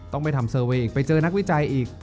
ต้องไปทำเซอร์เวย์อีกไปเจอนักวิจัยอีก